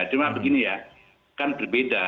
cuma begini ya kan berbeda